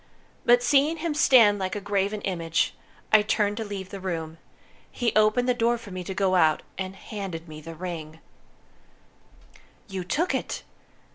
But seeing him stand like a graven image, I turned to leave the room. He opened the door for me to go out, and handed me the ring." "You took it!"